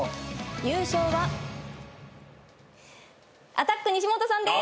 アタック西本さんです！